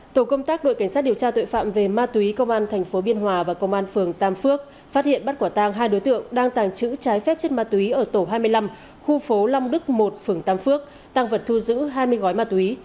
tổ công tác đội cảnh sát điều tra tội phạm về ma túy công an tp biên hòa và công an phường tam phước phát hiện bắt quả tang hai đối tượng đang tàng trữ trái phép chất ma túy ở tổ hai mươi năm khu phố long đức một phường tam phước tàng vật thu giữ hai mươi gói ma túy